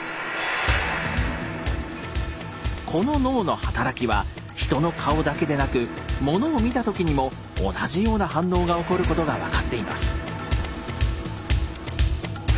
この脳の働きは人の顔だけでなくモノを見た時にも同じような反応が起こることが分かっています。